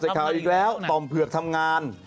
เอาอีกแล้วต่อมเผือกทำงาน